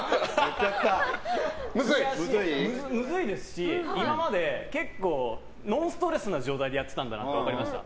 むずいですし今まで結構ノンストレスな状態でやってたんだなって分かりました。